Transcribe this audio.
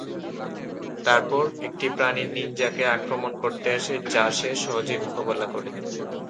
তারপর, একটি প্রাণী নিনজাকে আক্রমণ করতে আসে যা সে সহজেই মোকাবেলা করে।